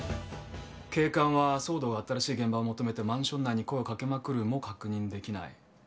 警官は騒動があったらしい現場を求めてマンション内に声をかけまくるも確認できない。